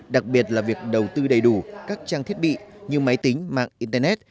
đặc biệt là việc đầu tư đầy đủ các trang thiết bị như máy tính mạng internet